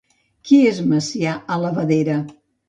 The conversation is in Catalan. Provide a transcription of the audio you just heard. Qui és Macià Alavadera?